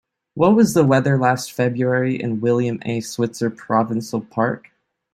What was the weather last February in William A. Switzer Provincial Park?